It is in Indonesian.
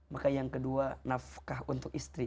maka yang kedua nafkah untuk istri